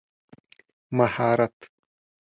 مهارت